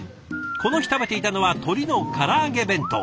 この日食べていたのは鶏のから揚げ弁当。